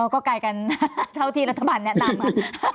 ก็ไกลกันเท่าที่รัฐบาลแนะนำมา